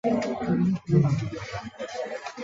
其时喃迦巴藏卜已卒。